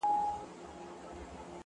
په خــــنــدا كيــسـه شـــــروع كړه _